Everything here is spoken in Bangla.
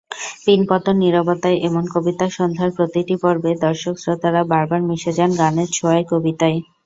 পিনপতন নিরবতায় এমন কবিতাসন্ধার প্রতিটি পর্বে দর্শক-শ্রোতারা বারবার মিশে যান গানের ছোঁয়ায় কবিতায়।